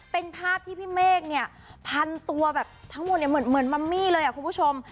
เป็นภาพที่พี่เมฆเนี่ยพันตัวแบบทั้งหมดเนี่ยเหมือนมัมมี่เลยคุณผู้ชม